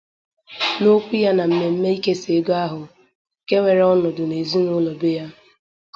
N'okwu ya na memme ikesa ego ahụ bụ nke weere ọnọdụ n'ezinụlọ be ya